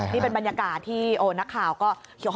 นี่เป็นบรรยากาศที่นักข่าวก็